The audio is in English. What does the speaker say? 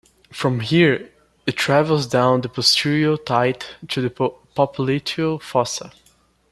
From here, it travels down the posterior thigh to the popliteal fossa.